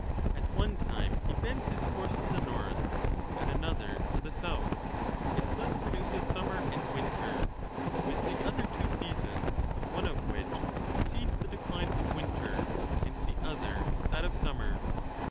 At one time he bends his course to the north, at another to the south, and thus produces summer and winter, with the other two seasons, one of which succeeds the decline of winter, and the other that of summei".